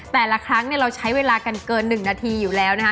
แต่ละครั้งเราใช้เวลากันเกิน๑นาทีอยู่แล้วนะคะ